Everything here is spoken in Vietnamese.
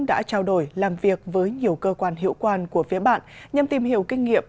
đã trao đổi làm việc với nhiều cơ quan hiệu quan của phía bạn nhằm tìm hiểu kinh nghiệm